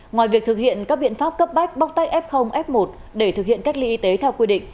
ngoài việc thực hiện các biện pháp cấp bách bóc tách f f một để thực hiện cách ly y tế theo quy định